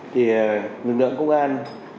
thì lực lượng công an